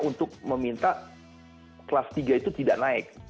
untuk meminta kelas tiga itu tidak naik